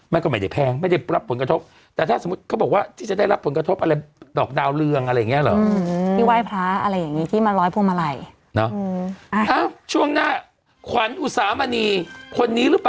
ไม่ก็ไม่ได้แพงไม่ได้รับผลกระทบแต่ถ้าเขาก็บอกว่าจะได้รับผลกระทบอะไรดอกดาวเรืองอะไรที่นี่หรือ